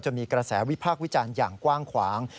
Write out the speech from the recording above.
จะมีกระแสวิภาควิจันทร์อย่างกว้างขวาง